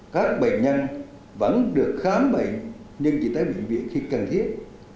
các bệnh nhân vẫn được khám bệnh nhưng chỉ tới bệnh viện khi cần thiết